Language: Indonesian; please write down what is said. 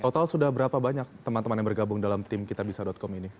total sudah berapa banyak teman teman yang bergabung dalam tim kitabisa com ini